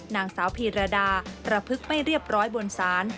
นางสาวพีรดาประพฤกษ์ไม่เรียบร้อยบนศาล